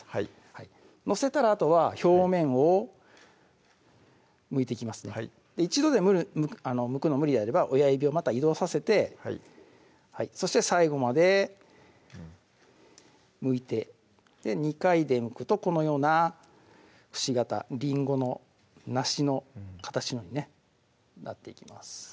はい乗せたらあとは表面をむいていきますね一度でむくの無理であれば親指をまた移動させてそして最後までむいて２回でむくとこのようなくし形りんごの梨の形のようにねなっていきます